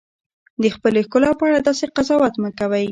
د خپلې ښکلا په اړه داسې قضاوت مه کوئ.